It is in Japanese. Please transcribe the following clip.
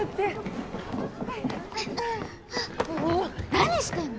何してんの！